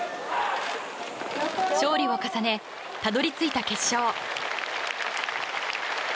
勝利を重ね、たどり着いた決勝。